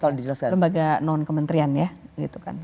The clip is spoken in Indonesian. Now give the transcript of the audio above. lembaga non kementerian ya